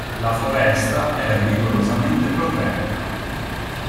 La foresta è rigorosamente protetta.